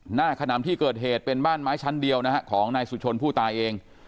ขนำที่เกิดเหตุเป็นบ้านไม้ชั้นเดียวนะฮะของนายสุชนผู้ตายเอง